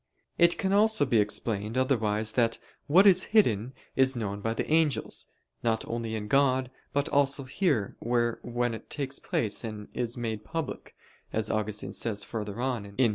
It can also be explained otherwise that "what is hidden, is known by the angels, not only in God, but also here where when it takes place and is made public," as Augustine says further on (Gen. ad lit.